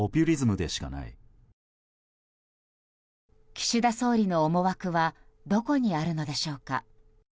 岸田総理の思惑はどこにあるのでしょうか。